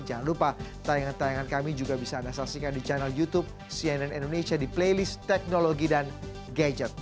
jangan lupa tayangan tayangan kami juga bisa anda saksikan di channel youtube cnn indonesia di playlist teknologi dan gadget